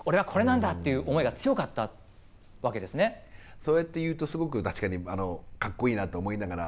そうやって言うとすごく確かにかっこいいなと思いながら。